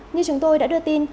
như chúng tôi đã đưa tin